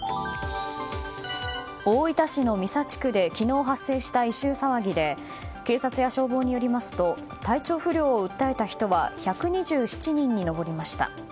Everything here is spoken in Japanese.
大分市の三佐地区で昨日発生した異臭騒ぎで警察や消防によりますと体調不良を訴えた人は１２７人に上りました。